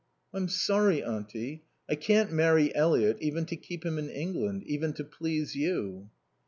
"I'm sorry, Auntie. I can't marry Eliot even to keep him in England. Even to please you."